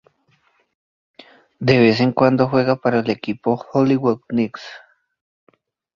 De vez en cuando juega para el equipo Hollywood Knights.